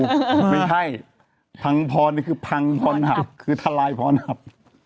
ไม่ใช่พังพรนี่คือพังพรหักคือทลายพรหับ